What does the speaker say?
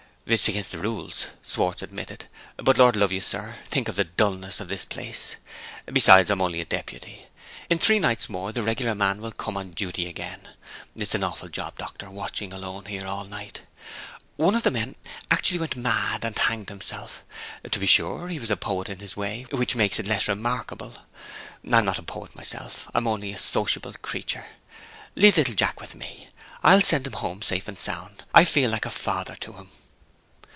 "It's against the rules," Schwartz admitted. "But, Lord love you, sir, think of the dullness of this place! Besides, I'm only a deputy. In three nights more, the regular man will come on duty again. It's an awful job, doctor, watching alone here, all night. One of the men actually went mad, and hanged himself. To be sure he was a poet in his way, which makes it less remarkable. I'm not a poet myself I'm only a sociable creature. Leave little Jack with me! I'll send him home safe and sound I feel like a father to him."